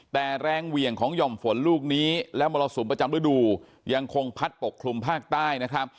แต่แรงเหวี่ยงของหย่อมฝนลูกนี้และมรสุมประจำฤดูยังคงพัดปกคลุมภาคใต้นะครับ